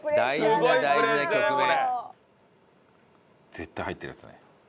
絶対入ってるやつね。